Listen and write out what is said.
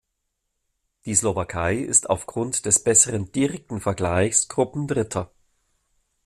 Die Slowakei ist aufgrund des besseren direkten Vergleichs Gruppendritter.